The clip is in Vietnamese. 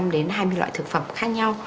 một mươi năm đến hai mươi loại thực phẩm khác nhau